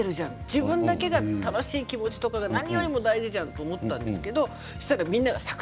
自分だけが楽しい気持ちとか何よりも大事じゃないかと思ったんですけどさく